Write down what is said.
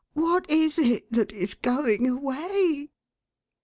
" What is this that is going away?"